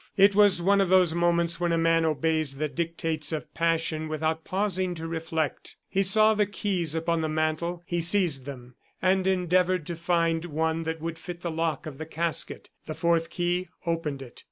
It was one of those moments when a man obeys the dictates of passion without pausing to reflect. He saw the keys upon the mantel; he seized them, and endeavored to find one that would fit the lock of the casket. The fourth key opened it.